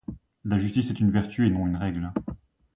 La justice est une vertu et non une règle.